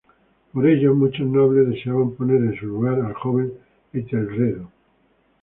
Por ello, muchos nobles deseaban poner en su lugar al joven Etelredo.